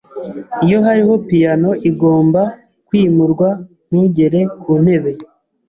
Iyo hariho piyano igomba kwimurwa, ntugere kuntebe.